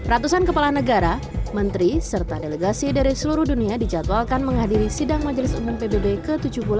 ratusan kepala negara menteri serta delegasi dari seluruh dunia dijadwalkan menghadiri sidang majelis umum pbb ke tujuh puluh delapan